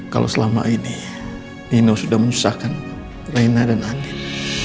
kalau selama ini nino sudah menyusahkan rena dan anin